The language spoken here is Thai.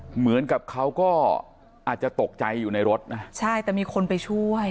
เหมือนกับเขาก็อาจจะตกใจอยู่ในรถนะใช่แต่มีคนไปช่วย